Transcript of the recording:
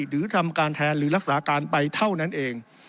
หรือทำการแทนหรือรักษาการไปเท่านั้นเอง